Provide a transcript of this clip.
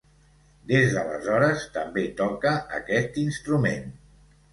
Des d'aleshores també toca aquest instrument.